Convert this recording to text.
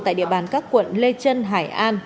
tại địa bàn các quận lê trân hải an